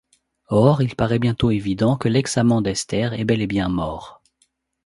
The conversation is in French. Or, il paraît bientôt évident que l’ex-amant d’Esther est bel et bien mort.